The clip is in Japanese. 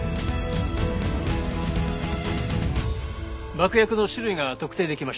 爆薬の種類が特定できました。